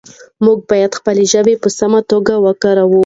موږ باید خپله ژبه په سمه توګه وکاروو